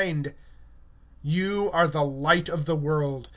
(14)Ye are the light of the world.